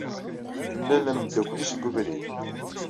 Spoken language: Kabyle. Temlal ameddakel-is deg ubrid.